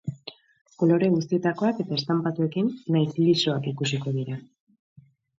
Kolore guztietakoak eta estanpatuekin nahiz lisoak ikusiko dira.